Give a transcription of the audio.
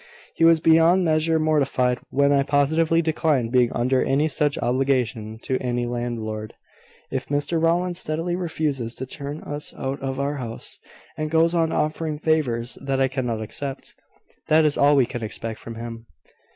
He was beyond measure mortified when I positively declined being under any such obligation to any landlord. If Mr Rowland steadily refuses to turn us out of our house, and goes on offering favours that I cannot accept, that is all we can expect from him."